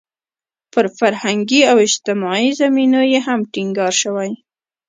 پر فرهنګي او اجتماعي زمینو یې هم ټینګار شوی.